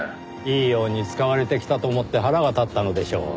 いいように使われてきたと思って腹が立ったのでしょう。